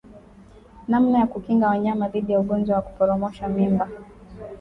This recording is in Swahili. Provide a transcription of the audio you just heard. Namna ya kukinga wanyama dhidi ya ugonjwa wa kuporomosha mimba